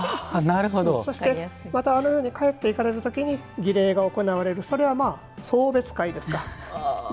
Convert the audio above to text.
そして、あの世に帰っていかれるとき儀礼が行われるそれは送別会ですか。